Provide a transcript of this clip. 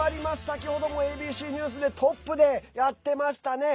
先ほども「ＡＢＣニュース」でトップでやってましたね。